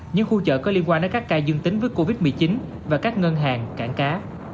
những khu chợ có liên quan đến các ca dương tính với covid một mươi chín và các ngân hàng cảng cá